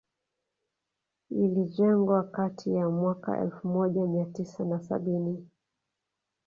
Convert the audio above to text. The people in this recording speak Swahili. Ilijengwa kati ya mwaka elfu moja mia tisa na sabini